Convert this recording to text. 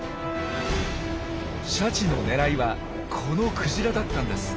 シャチの狙いはこのクジラだったんです。